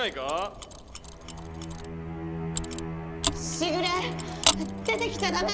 時雨出てきちゃ駄目！